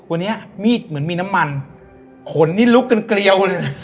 วันนี้มีดเหมือนมีน้ำมันขนนี่ลุกกันเกลียวเลย